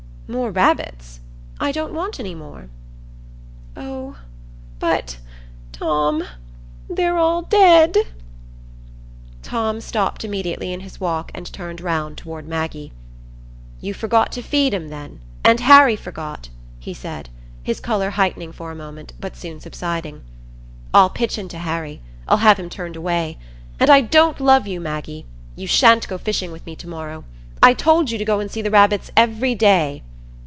"More rabbits? I don't want any more." "Oh, but, Tom, they're all dead." Tom stopped immediately in his walk and turned round toward Maggie. "You forgot to feed 'em, then, and Harry forgot?" he said, his colour heightening for a moment, but soon subsiding. "I'll pitch into Harry. I'll have him turned away. And I don't love you, Maggie. You sha'n't go fishing with me to morrow. I told you to go and see the rabbits every day."